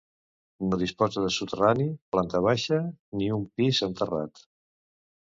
No disposa de soterrani, planta baixa ni un pis amb terrat.